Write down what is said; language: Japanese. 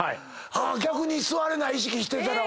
逆に座れない意識してたら俺。